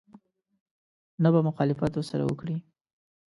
نه به مخالفت ورسره وکړي.